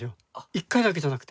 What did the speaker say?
１回だけじゃなくて。